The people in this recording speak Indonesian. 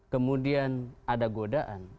kemudian ada godaan